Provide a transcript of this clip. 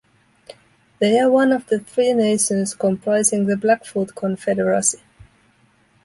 They are one of three nations comprising the Blackfoot Confederacy.